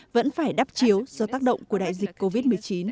vẫn phải đắp chiếu do tác động của đại dịch covid một mươi chín